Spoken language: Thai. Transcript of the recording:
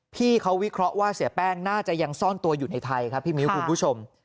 พี่เขาวิเคราะห์ว่าเสียแป้งน่าจะยังซ่อนตัวอยู่ในไทยครับพี่มิ้วคุณผู้ชม